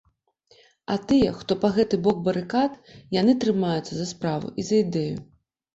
А тыя, хто па гэты бок барыкад, яны трымаюцца за справу і за ідэю.